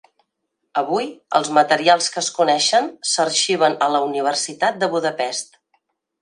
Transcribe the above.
Avui, els materials que es coneixen s'arxiven a la Universitat de Budapest.